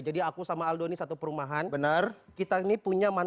jadi aku sama aldo ini satu perumahan